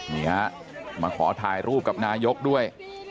นี่ฮะมาขอถ่ายรูปกับนายกด้วย